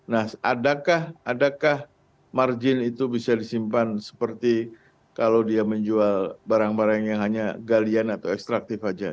nah adakah adakah margin itu bisa disimpan seperti kalau dia menjual barang barang yang hanya galian atau ekstraktif saja